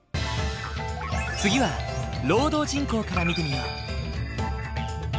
次は労働人口から見てみよう。